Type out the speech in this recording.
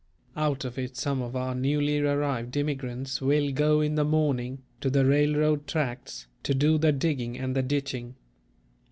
Out of it some of our newly arrived immigrants will go in the morning, to the railroad tracks, to do the digging and the ditching.